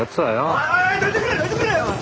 おいおいおいどいてくれどいてくれ！